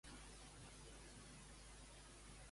M'ensenyes el que s'està debatent a Instagram ara?